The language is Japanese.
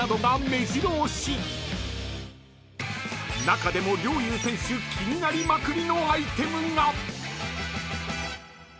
［中でも陵侑選手気になりまくりのアイテムが］